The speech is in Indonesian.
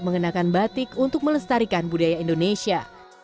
mengenakan batik untuk melestarikan budaya indonesia